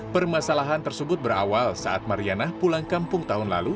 permasalahan tersebut berawal saat mariana pulang kampung tahun lalu